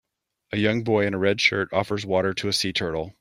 A young boy in a red shirt offers water to a sea turtle.